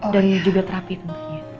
dan juga terapi tentunya